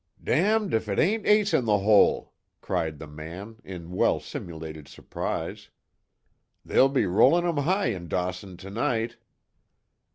"Damned if it ain't Ace In The Hole!" cried the man, in well simulated surprise. "They'll be rollin' 'em high in Dawson tonight!"